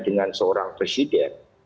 dengan seorang presiden